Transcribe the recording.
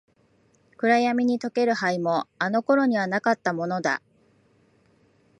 暗闇に溶ける灰も、あの頃にはなかったものだ。